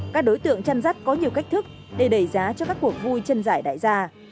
các đối tượng chăn rắt có nhiều cách thức để đẩy giá cho các cuộc vui chân giải đại gia